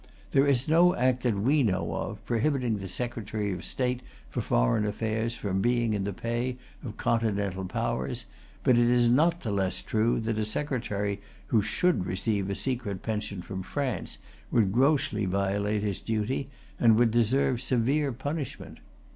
There is no Act that we know of, prohibiting the Secretary of State for Foreign Affairs from being in the pay of continental powers, but it is not the less true that a Secretary who should receive a secret pension from France would grossly violate his duty, and would deserve severe punishment.